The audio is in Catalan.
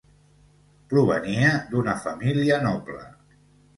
Provenia d'una família noble.